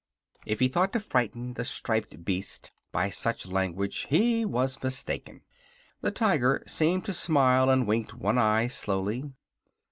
If he thought to frighten the striped beast by such language he was mistaken. The Tiger seemed to smile, and winked one eye slowly.